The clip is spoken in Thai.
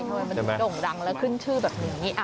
ทำไมมันถึงโด่งดังแล้วขึ้นชื่อแบบนี้